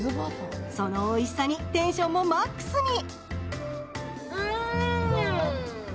そのおいしさにテンションもマックスに。